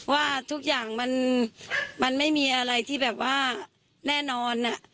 ว่าทุกอย่างมันไม่มีอะไรที่แบบว่าแน่นอน